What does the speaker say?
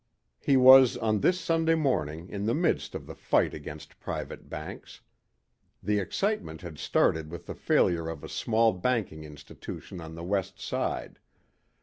He was on this Sunday morning in the midst of the fight against private banks. The excitement had started with the failure of a small banking institution on the west side.